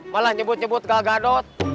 malah nyebut nyebut gal gadot